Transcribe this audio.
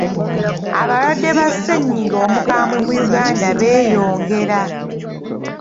Abalwadde ba ssennyiga omukambwe mu Uganda beeyongera.